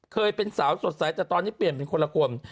เคยเป็นสาวสดใสแต่ตอนนี้เปลี่ยนเป็นคนละคน